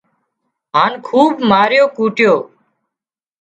هانَ خوٻ ماريو ڪوٽيو